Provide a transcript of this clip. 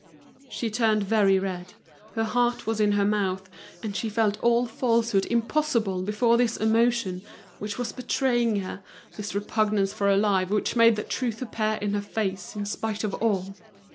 She turned very red, her heart was in her mouth, and she felt all falsehood impossible before this emotion which was betraying her, this repugnance for a lie which made the truth appear in her face in spite of all.